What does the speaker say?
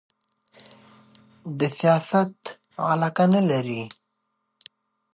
د سیاست علاقه نه لري